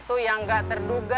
kemarin kita berdua stay